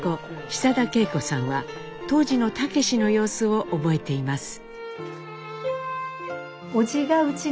久田恵子さんは当時の武の様子を覚えています。